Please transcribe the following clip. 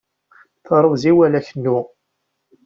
Taruẓi wala kennu.